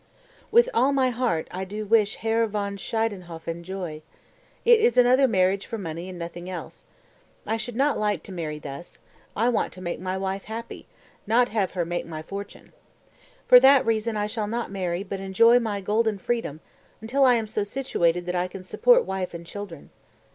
232. "With all my heart I do wish Herr von Schiedenhofen joy. It is another marriage for money and nothing else. I should not like to marry thus; I want to make my wife happy, not have her make my fortune. For that reason I shall not marry but enjoy my golden freedom until I am so situated that I can support wife and children.